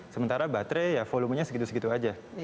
sementara baterai ya volumenya segitu segitu aja